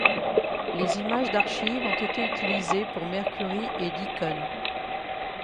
Les images d'archives ont été utilisés pour Mercury et Deacon.